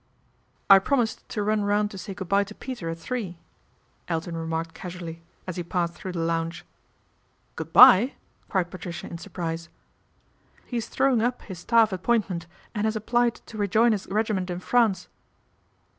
" I promised to run round to say good bye to Peter at three," Elton remarked casually, as he passed through the lounge. " Good bye !" cried Patricia in surprise. " He is throwing up his staff appointment, and has applied to rejoin his regiment in France."